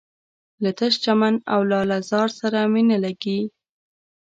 له تش چمن او لاله زار سره مي نه لګیږي